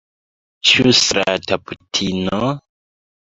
Ĉu strata putino?